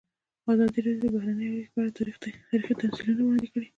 ازادي راډیو د بهرنۍ اړیکې په اړه تاریخي تمثیلونه وړاندې کړي.